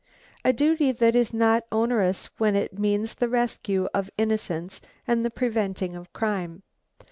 "A duty that is not onerous when it means the rescue of innocence and the preventing of crime.